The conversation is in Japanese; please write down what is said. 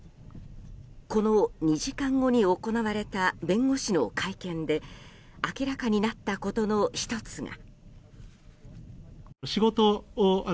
この２時間後に行われた弁護士の会見で明らかになったことの１つが。